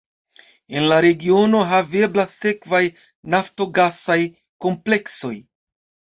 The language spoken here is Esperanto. En la regiono haveblas sekvaj naftogasaj kompleksoj.